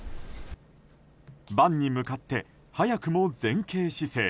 盤に向かって早くも前傾姿勢